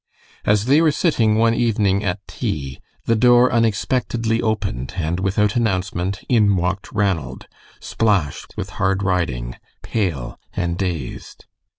As they were sitting one evening at tea, the door unexpectedly opened, and without announcement, in walked Ranald, splashed with hard riding, pale, and dazed.